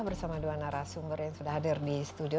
bersama dua narasumber yang sudah hadir di studio